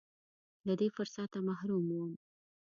له دې فرصته محروم و.